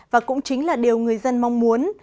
và cũng chính là điều người dân mong muốn